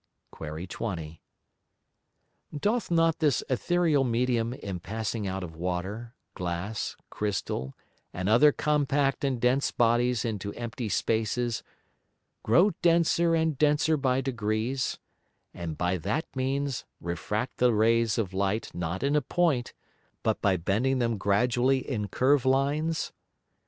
Qu. 20. Doth not this Æthereal Medium in passing out of Water, Glass, Crystal, and other compact and dense Bodies into empty Spaces, grow denser and denser by degrees, and by that means refract the Rays of Light not in a point, but by bending them gradually in curve Lines?